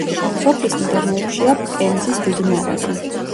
სოფლის მიდამოებშია პემზის დიდი მარაგი.